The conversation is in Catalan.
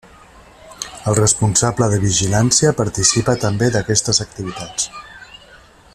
El responsable de vigilància participa també d'aquestes activitats.